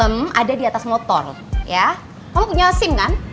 hmm ada di atas motor ya kamu punya sim kan